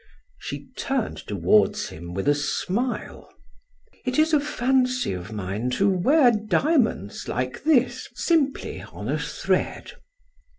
She turned toward him with a smile: "It is a fancy of mine to wear diamonds like this, simply on a thread."